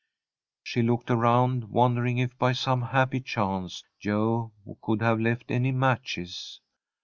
She looked around, wondering if by some happy chance Jo could have left any matches.